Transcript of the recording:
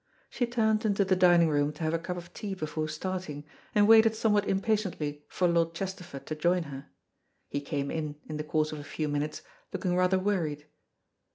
She turned into the dining room to have a cup of tea before starting, and waited somewhat impatiently for Lord Chesterford to join her. He came in, in the course of a few minutes, looking rather worried.